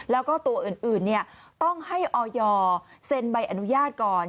แล้วก็ตัวอื่นต้องให้ออยเซ็นใบอนุญาตก่อน